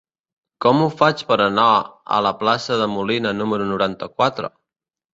Com ho faig per anar a la plaça de Molina número noranta-quatre?